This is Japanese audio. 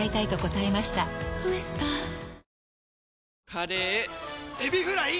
カレーエビフライ！